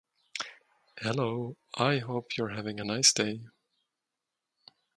House of Bryant appealed to the Sixth Circuit Court of Appeals.